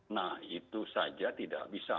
nah itu saja tidak bisa